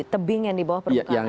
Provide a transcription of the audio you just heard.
tebing yang di bawah permukaan air laut